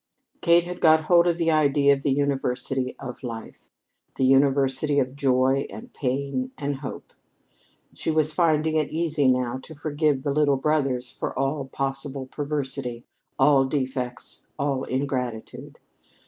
Kate had got hold of the idea of the universality of life the universality of joy and pain and hope. She was finding it easy now to forgive "the little brothers" for all possible perversity, all defects, all ingratitude.